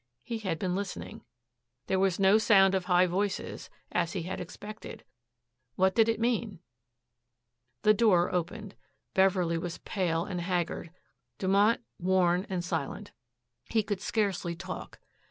He had been listening. There was no sound of high voices, as he had expected. What did it mean? The door opened. Beverley was pale and haggard, Dumont worn and silent. He could scarcely talk.